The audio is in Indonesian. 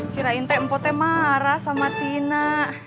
kirain teh mpok teh marah sama tina